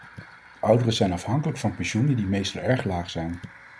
Ouderen zijn afhankelijk van pensioenen die meestal erg laag zijn.